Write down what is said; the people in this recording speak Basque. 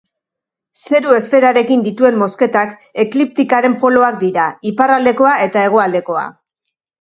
Zeru esferarekin dituen mozketak ekliptikaren poloak dira, iparraldekoa eta hegoaldekoa.